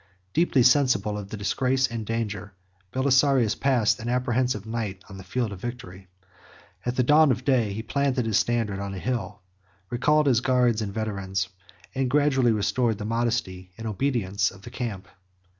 Deeply sensible of the disgrace and danger, Belisarius passed an apprehensive night on the field of victory: at the dawn of day, he planted his standard on a hill, recalled his guardians and veterans, and gradually restored the modesty and obedience of the camp.